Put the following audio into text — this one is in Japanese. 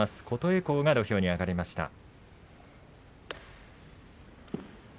琴恵光が土俵に上がりました。